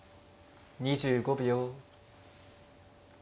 ２５秒。